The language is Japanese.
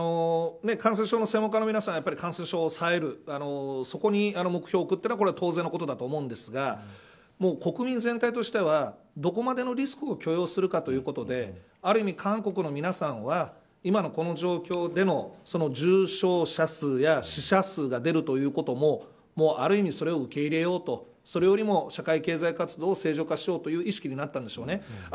感染症の専門家の皆さんは感染症を抑えるそこに目標を置くのは当然のことだと思うんですが国民全体としてはどこまでのリスクを許容するかということである意味、韓国の皆さんは今のこの状況での重症者数や死者数が出るということもある意味、それを受け入れようとそれよりも社会経済活動を正常化しようという意識になったんでしょうね。